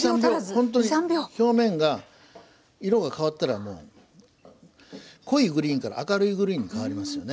ほんとに表面が色が変わったらもう濃いグリーンから明るいグリーンに変わりますよね。